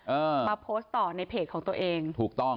เอามาโพสต์ต่อในเพจของตัวเองถูกต้อง